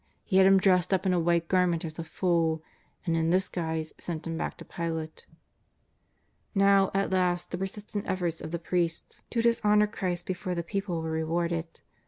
He had Him dressed up in a white grament as a fool, and in this guise sent Him back to Pilate. iSTow, at last, the persistent efforts of the priests to 350 JESUS OF NAZ^VRETH. dishonour Christ before the people were rewarded.